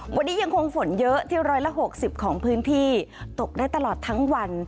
วันนี้ยังคงฝนเยอะที่๑๖๐ของพื้นที่ตกได้ตลอดทั้งวัน